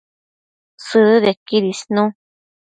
Sëdëdequid isnu